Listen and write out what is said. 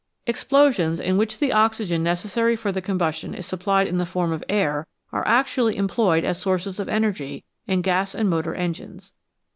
Explosions in which the oxygen necessary for the combustion is supplied in the form of air are actually employed as sources of energy in gas and motor engines.